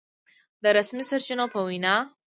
د رسمي سرچينو په وينا